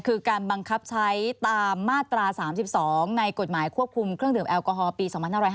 คือการบังคับใช้ตามมาตรา๓๒ในกฎหมายควบคุมเครื่องดื่มแอลกอฮอลปี๒๕๕๙